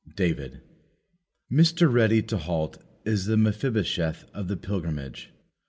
David. Mr. Ready to halt is the Mephibosheth of the pilgrimage.